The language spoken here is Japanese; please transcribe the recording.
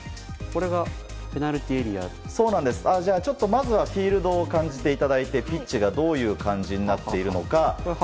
まずはフィールドを感じていただいてピッチがどういう感じになっているのか。